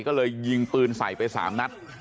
ก็เลยยิงปืนใส่ไป๓นัด